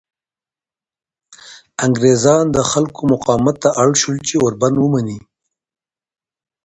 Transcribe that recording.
انګریزان د خلکو مقاومت ته اړ شول چې اوربند ومني.